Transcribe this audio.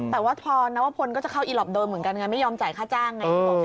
แต่ว่าพอนวพก็จะเข้าอิหรอกเดิมเหมือนกันไม่ยอมจ่ายค่าจ้าง